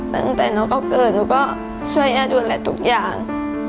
ตั้งแต่น้องเขาเกิดหนูก็ช่วยย่าดูแลทุกอย่าง